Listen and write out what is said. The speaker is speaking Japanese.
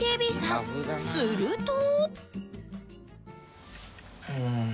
すると